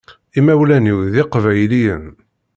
Imawlan-iw d iqbayliyen.